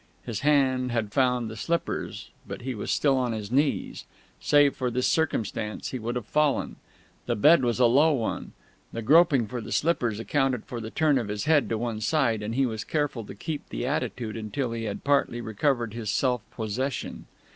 His hand had found the slippers, but he was still on his knees; save for this circumstance he would have fallen. The bed was a low one; the groping for the slippers accounted for the turn of his head to one side; and he was careful to keep the attitude until he had partly recovered his self possession.